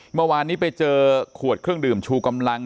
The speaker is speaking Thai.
เมื่อวานนี้ไปเจอขวดเครื่องดื่มชูกำลัง